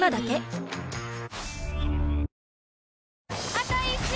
あと１周！